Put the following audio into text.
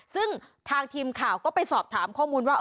ซึ่งทางทีมข่าวก็ไปสอบถามข้อมูลว่า